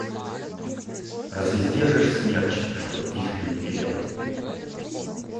Разве сдержишь смерч, чтоб вихрем не кипел?!